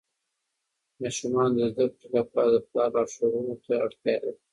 ماشومان د زده کړې لپاره د پلار لارښوونو ته اړتیا لري.